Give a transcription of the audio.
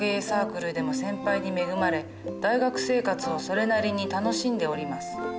サークルでも先輩に恵まれ大学生活をそれなりに楽しんでおります。